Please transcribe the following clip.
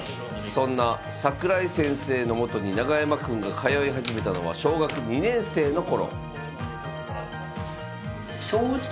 そんな櫻井先生のもとに永山くんが通い始めたのは小学２年生の頃。